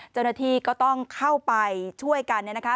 เจ้าหน้าที่ก็ต้องเข้าไปช่วยกันเนี่ยนะคะ